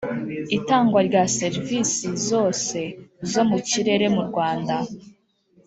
Itangwa rya serivisi zose zo mu kirere mu Rwanda